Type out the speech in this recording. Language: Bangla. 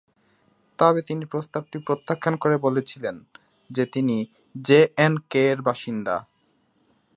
তবে, তিনি প্রস্তাবটি প্রত্যাখ্যান করে বলেছিলেন যে তিনি জে অ্যান্ড কে-র বাসিন্দা।